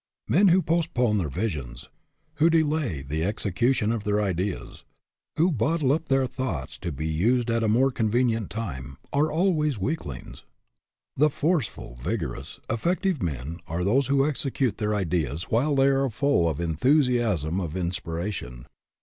Men who postpone their visions, who ii 4 AN OVERMASTERING PURPOSE delay the execution of their ideas, who bottle up their thoughts, to be used at a more con venient time, are always weaklings. The forceful, vigorous, effective men are those who execute their ideas while they are full of the enthusiasm of inspiration.